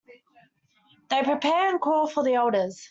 They prepare, and call for the elders.